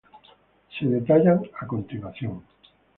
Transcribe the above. Se detallan a continuación.